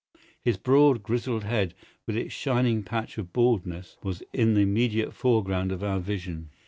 His broad, grizzled head, with its shining patch of baldness, was in the immediate foreground of our vision.